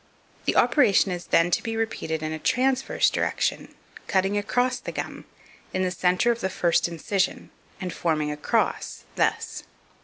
The operation is then to be repeated in a transverse direction, cutting across the gum, in the centre of the first incision, and forming a cross, thus +.